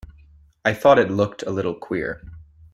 I thought it looked a little queer.